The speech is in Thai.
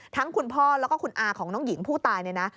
คุณพ่อแล้วก็คุณอาของน้องหญิงผู้ตายเนี่ยนะ